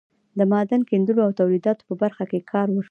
د معدن کیندلو او تولیداتو په برخه کې کار وشو.